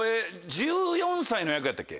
１４歳の役やったっけ？